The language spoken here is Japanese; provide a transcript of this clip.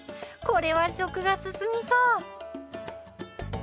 これは食が進みそう！